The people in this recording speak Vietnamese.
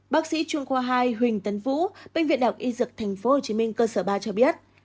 bác sĩ trung khoa hai huỳnh tấn vũ bệnh viện đạo y dược tp hcm cơ sở ba cho biết